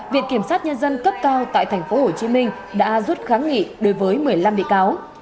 viện kiểm sát nhân dân cấp cao tại tp hcm đã rút kháng nghị đối với một mươi năm bị cáo